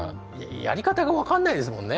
やり方が分かんないですもんね。